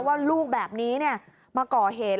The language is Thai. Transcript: ว่าลูกแบบนี้มาก่อเหตุ